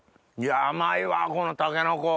甘いわこのタケノコ。